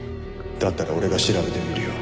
だったら俺が調べてみるよ。